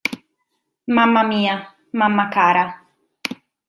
Mamma mia, mamma cara.